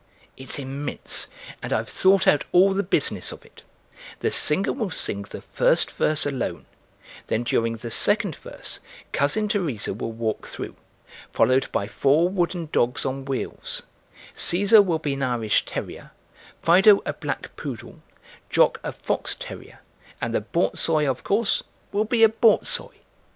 It's immense. And I've thought out all the business of it; the singer will sing the first verse alone, then during the second verse Cousin Teresa will walk through, followed by four wooden dogs on wheels; Cæsar will be an Irish terrier, Fido a black poodle, Jock a fox terrier, and the borzoi, of course, will be a borzoi.